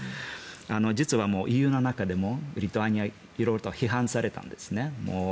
実はＥＵの中でもリトアニアは色々と批判されたんですね。